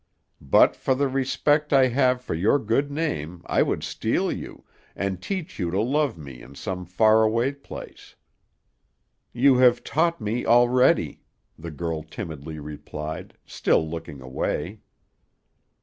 But for the respect I have for your good name, I would steal you, and teach you to love me in some far away place." "You have taught me already," the girl timidly replied, still looking away.